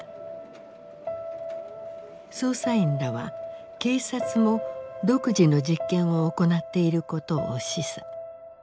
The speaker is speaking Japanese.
捜査員らは警察も独自の実験を行っていることを示唆。